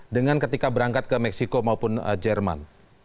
dengan ketika berangkat ke meksiko maupun jerman